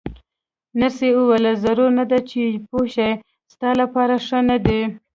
نرسې وویل: ضرور نه ده چې پوه شې، ستا لپاره ښه نه ده.